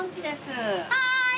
はい！